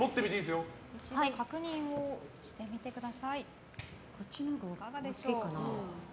確認をしてみてください。